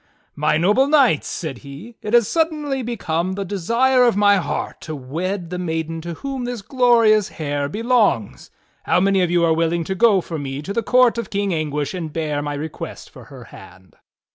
"My noble knights," said he, "it has suddenly become the de sire of my heart to wed the maiden to whom this glorious hair belongs. How many of you are willing to go for me to the court of King Anguish and bear my request for her hand?"